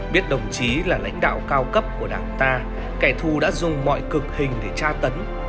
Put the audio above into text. biết đồng chí là lãnh đạo cao cấp của đảng ta kẻ thù đã dùng mọi cực hình để tra tấn